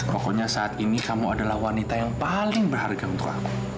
pokoknya saat ini kamu adalah wanita yang paling berharga untuk aku